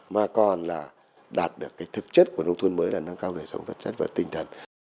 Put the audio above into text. mà còn là đạt được thực chất của nông thôn mới là nâng cao đời sống vật chất và tinh thần